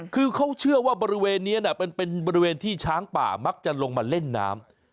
คือเขาเชื่อว่าบริเวณนี้เป็นบริเวณที่ช้างป่ามักจะลงมาเล่นน้ำ